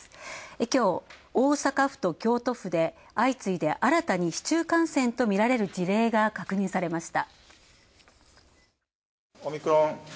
きょう、大阪府と京都府で相次いで新たに市中感染とみられる事例が確認されました。